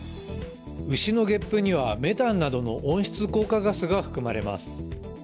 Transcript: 牛のゲップには、メタンなどの温室効果ガスが含まれます。